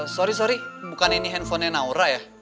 sorry sorry bukan ini handphonenya naura ya